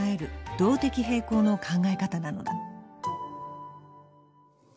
動的平衡の考え方なのだ。